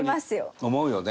思うよね。